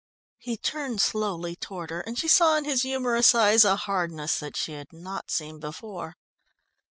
He turned slowly toward her, and she saw in his humorous eyes a hardness that she had not seen before.